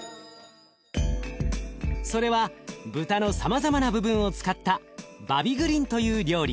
それは豚のさまざまな部分を使ったバビグリンという料理。